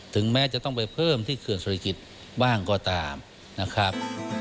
ถึงแม้จะต้องไปเพิ่มที่เขื่อนสุริกิจบ้างก็ตามนะครับ